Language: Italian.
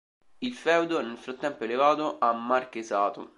Il feudo è nel frattempo elevato a Marchesato.